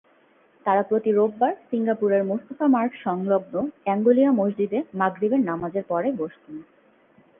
তাঁরা প্রতি রোববার সিঙ্গাপুরের মোস্তফা মার্ট-সংলগ্ন এঙ্গোলিয়া মসজিদে মাগরিবের নামাজের পরে বসতেন।